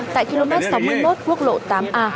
tại km sáu mươi một quốc lộ tám a